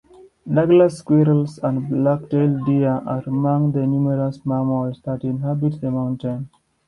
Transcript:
Douglas squirrels and black-tailed deer are among the numerous mammals that inhabit the mountain.